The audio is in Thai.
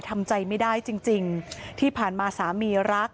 ทำใจไม่ได้จริงจริงที่ผ่านมาสามีรัก